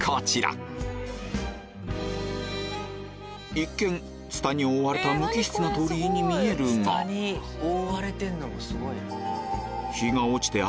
一見ツタに覆われた無機質な鳥居に見えるが日が落ちてうわ！